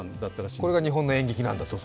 これが日本の演劇なんだぞと。